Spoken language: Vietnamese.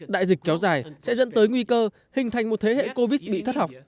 đại dịch kéo dài sẽ dẫn tới nguy cơ hình thành một thế hệ covid bị thất học